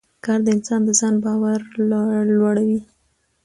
کار د انسان د ځان باور لوړوي